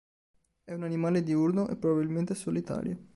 È un animale diurno e probabilmente solitario.